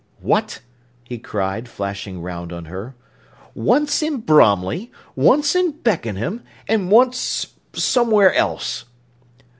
"What!" he cried, flashing round on her. "Once in Bromley, once in Beckenham, and once somewhere else."